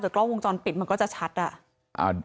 แต่กล้องวงจรปิดซึ่งจะชัด